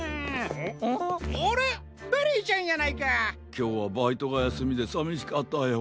きょうはバイトがやすみでさみしかったよ。